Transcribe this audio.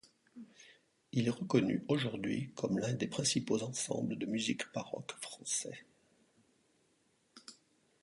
Il est reconnu aujourd’hui comme l’un des principaux ensembles de musique baroque français.